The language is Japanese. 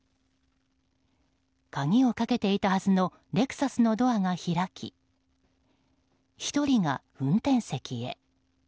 鍵をかけていたはずのレクサスのドアが開き１人が運転席へ。